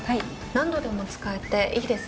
何度でも使えていいですね。